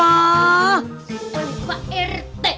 oleh pak rt